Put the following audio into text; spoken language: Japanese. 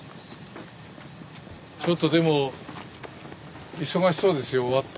ちょっとでも忙しそうですよ終わって。